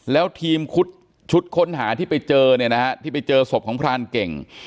แล้วทีมชุดค้นหาที่ไปเจอเนี่ยนะฮะที่ไปเจอศพของพรานเก่ง